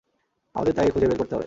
আমাদের তাকে খুঁজে বের করতে হবে।